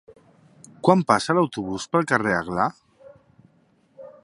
Quan passa l'autobús pel carrer Aglà?